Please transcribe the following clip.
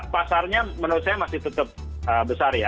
pasarnya menurut saya masih tetap besar ya